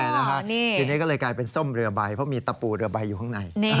ทีนี้ก็เลยกลายเป็นส้มเรือใบเพราะมีตะปูเรือใบอยู่ข้างใน